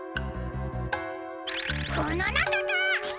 このなかか？